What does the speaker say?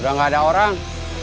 udah gak ada orang